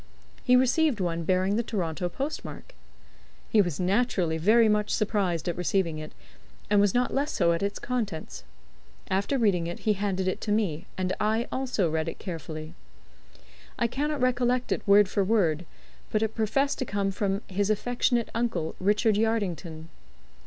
He received one bearing the Toronto post mark. He was naturally very much surprised at receiving it, and was not less so at its contents. After reading it he handed it to me, and I also read it carefully. I cannot recollect it word for word, but it professed to come from 'his affectionate uncle, Richard Yardington.'